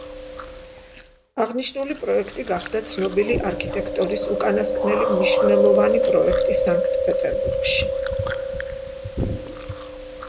აღნიშნული პროექტი გახდა ცნობილი არქიტექტორის უკანასკნელი მნიშვნელოვანი პროექტი სანქტ-პეტერბურგში.